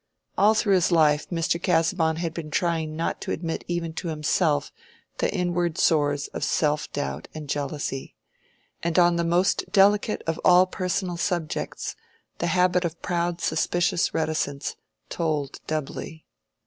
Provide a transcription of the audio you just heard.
All through his life Mr. Casaubon had been trying not to admit even to himself the inward sores of self doubt and jealousy. And on the most delicate of all personal subjects, the habit of proud suspicious reticence told doubly.